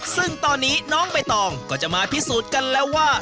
ซึ่งตอนนี้น้องใบตองก็จะมาพิสูจน์กันแล้วว่า